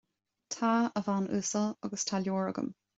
Tá, a bhean uasal, agus tá leabhar agam